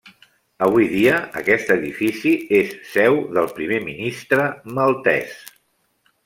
Avui dia, aquest edifici és seu del primer ministre maltès.